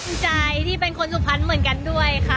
ขอบคุณใจที่เป็นสุขพันธ์เหมือนกันด้วยค่ะ